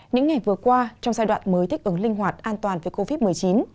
những ngày vừa qua trong giai đoạn mới thích ứng linh hoạt an toàn với covid một mươi chín